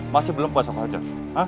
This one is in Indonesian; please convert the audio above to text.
masih belum puas aku hajar